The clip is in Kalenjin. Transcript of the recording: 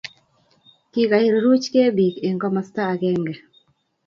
Kikairuchkei bik eng komasta agenge